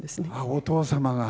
お父様が？